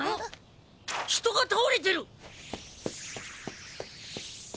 人が倒れてる！